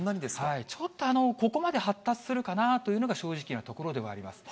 ちょっとここまで発達するかなというのが、正直なところではあります。